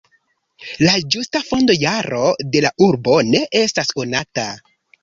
La ĝusta fondo-jaro de la urbo ne estas konata.